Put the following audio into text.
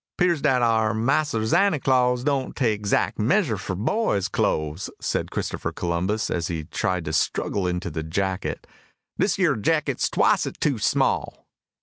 "'Pears dat ar Mahser Zanty Claws don't take zact measure fur boys' cloze," said Christopher Columbus, as he tried to struggle into the jacket. "Dis yere jackit's twicet too small."